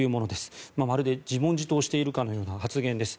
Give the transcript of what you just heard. まるで自問自答をしているかのような発言です。